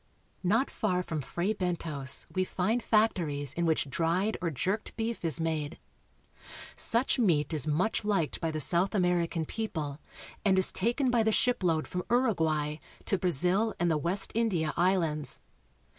Not far from Fray Bentos we find factories in which dried or jerked beef is made. Such meat is much liked by the South American people, and is taken by the ship load from Uruguay to Brazil and the West India Islands.